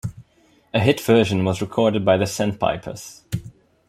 A hit version was recorded by The Sandpipers.